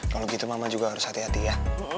kalau begitu mama juga harus hati hati ya